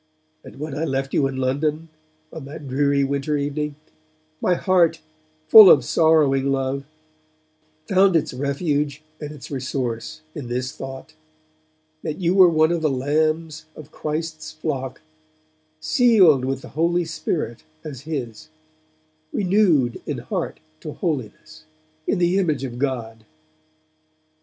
And when I left you in London, on that dreary winter evening, my heart, full of sorrowing love, found its refuge and its resource in this thought, that you were one of the lambs of Christ's flock; sealed with the Holy Spirit as His; renewed in heart to holiness, in the image of God.